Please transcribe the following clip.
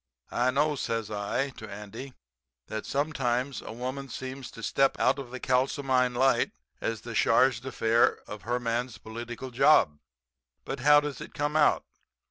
I know,' says I to Andy, 'that sometimes a woman seems to step out into the kalsomine light as the charge d'affaires of her man's political job. But how does it come out?